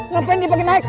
ngapain dia pake naik